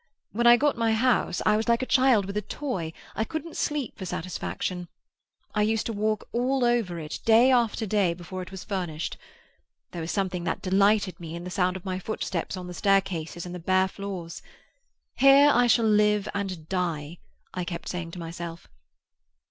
When I got my house, I was like a child with a toy; I couldn't sleep for satisfaction. I used to walk all over it, day after day, before it was furnished. There was something that delighted me in the sound of my footsteps on the staircases and the bare floors. Here I shall live and die, I kept saying to myself.